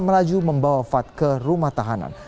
melaju membawa fad ke rumah tahanan